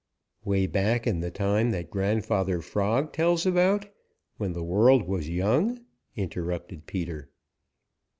"Way back in the time that Grandfather Frog tells about, when the world was young?" interrupted Peter.